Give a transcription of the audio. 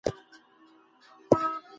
د حملې پر مهال د بدن ضربان زیاتېږي.